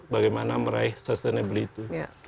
bagaimana meraih sustainability